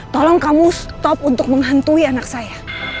tolong kamu stop untuk menghantui anak saya